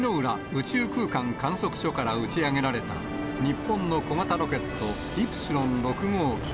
宇宙空間観測所から打ち上げられた日本の小型ロケット、イプシロン６号機。